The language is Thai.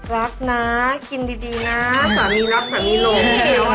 รักนะกินดีนะสามีรักสามีลง